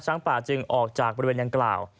ป่าจึงออกจากบริเวณดังกล่าว